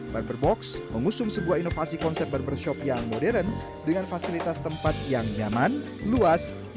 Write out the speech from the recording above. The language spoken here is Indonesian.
barberbox mengusung sebuah inovasi konsep barbershop yang modern dengan fasilitas tempat yang nyaman luas